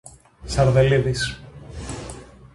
Σαρδελίδης.